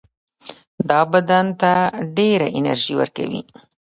دا بدن ته ډېره انرژي ورکوي.